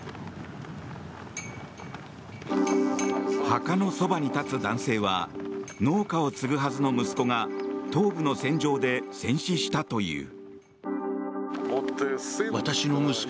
墓のそばに立つ男性は農家を継ぐはずの息子が東部の戦場で戦死したという。